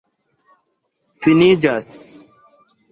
finiĝas